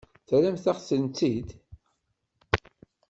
Terramt-aɣ-tent-id?